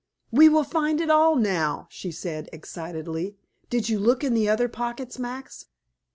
"We will find it all now," she said excitedly. "Did you look in the other pockets, Max?"